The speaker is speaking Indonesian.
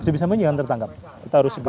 sebisa mungkin jangan tertangkap kita harus segera